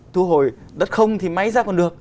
thu hồi đất không thì máy ra còn được